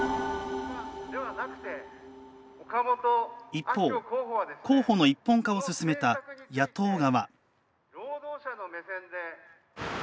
一方候補の一本化を進めた野党側。